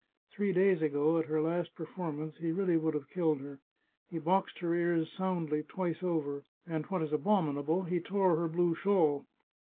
Three days ago, at her last performance, he really would have killed her. He boxed her ears soundly twice over, and, what is abominable, he tore her blue shawl.